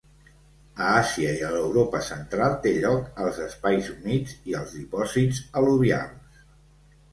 A Àsia i a l'Europa central té lloc als espais humits i als dipòsits al·luvials.